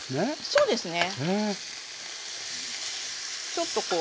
そうですね。